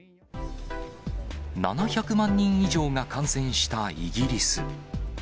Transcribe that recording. ７００万人以上が感染したイギリス。